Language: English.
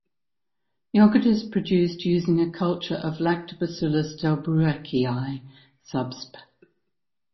Yogurt is produced using a culture of "Lactobacillus delbrueckii" subsp.